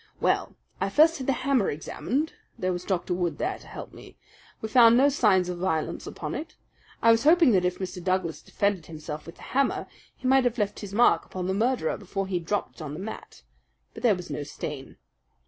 "Well, I first had the hammer examined. There was Dr. Wood there to help me. We found no signs of violence upon it. I was hoping that if Mr. Douglas defended himself with the hammer, he might have left his mark upon the murderer before he dropped it on the mat. But there was no stain."